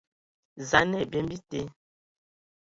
Za a nǝ ai byem bite,